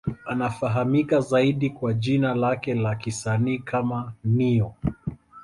Anafahamika zaidi kwa jina lake la kisanii kama Ne-Yo.